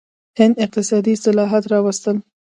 هند اقتصادي اصلاحات راوستل.